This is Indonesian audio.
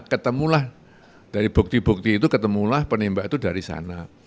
ketemulah dari bukti bukti itu ketemulah penembak itu dari sana